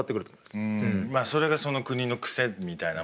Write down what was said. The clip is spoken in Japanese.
それがその国の癖みたいなもの。